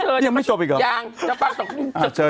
เหยียงไม่จบอีกหรอ